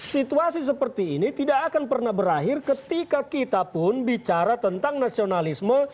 situasi seperti ini tidak akan pernah berakhir ketika kita pun bicara tentang nasionalisme